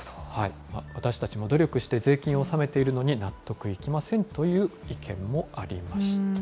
私たちも努力して税金を納めているのに納得いきませんという意見もありました。